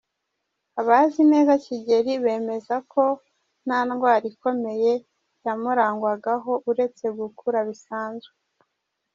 Abazi neza Kigeli bemezaga ko nta ndwara ikomeye yamurangwagaho, uretse gukura bisanzwe.